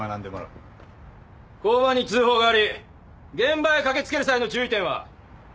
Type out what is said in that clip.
交番に通報があり現場へ駆け付ける際の注意点は？